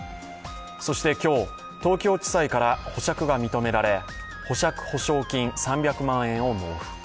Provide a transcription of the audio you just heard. そして今日、東京地裁から保釈が認められ、保釈保証金３００万円を納付。